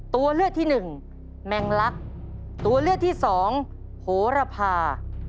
ตัวเลือกที่๑แมงลักตัวเลือกที่๒โหระพา